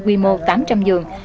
quy mô tám trăm linh giường